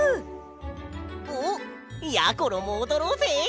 おっやころもおどろうぜ！